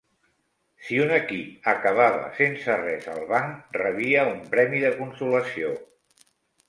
Si un equip acabava sense res al banc, rebia un premi de consolació.